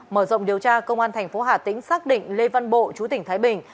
mở rộng điều tra công an thành phố hà tĩnh xác định lê văn bộ chú tỉnh thái bình